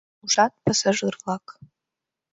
Ужат, пассажир-влак